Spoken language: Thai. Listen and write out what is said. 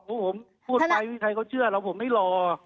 แต่ว่าผมพูดไปใครเขาเชื่ออะไรชั้นไม่หรอ